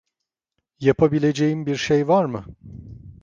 Yapabileceğim bir şey var mı?